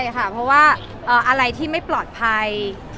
เพราะว่าอะไรที่ไม่ปลอดภัย